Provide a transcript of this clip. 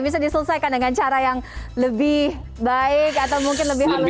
bisa diselesaikan dengan cara yang lebih baik atau mungkin lebih halus